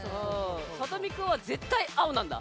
さとみくんは絶対青なんだ。